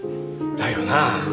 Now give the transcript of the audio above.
だよなあ。